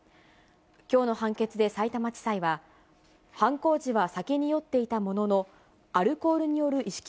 きょうの判決でさいたま地裁は、犯行時は酒に酔っていたものの、アルコールによる意識